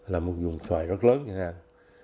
là một dùng xoài rất lớn chẳng hạn